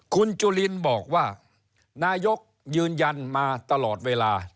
คุณจุลินบอกว่านายกยืนยันมาตลอดเวลา